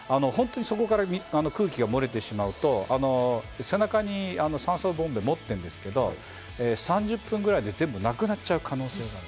空気が漏れてしまうと背中に酸素ボンベを持ってるんですけど、３０分ぐらいで全部なくなっちゃう可能性がある。